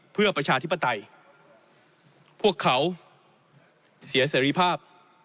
เพื่อประชาธิปไตยพวกเขาเสียเสรีภาพ